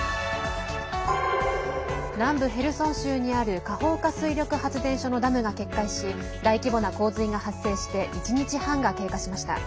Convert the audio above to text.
南部ヘルソン州にあるカホウカ水力発電所のダムが決壊し大規模な洪水が発生して１日半が経過しました。